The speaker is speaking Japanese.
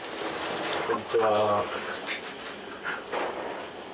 こんにちは。